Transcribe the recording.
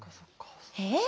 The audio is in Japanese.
「えっ！？